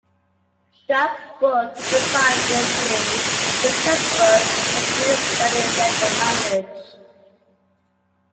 That book was designed essentially as a textbook for students studying legal language.